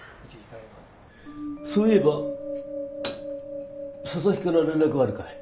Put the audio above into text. そういえば佐々木から連絡はあるか？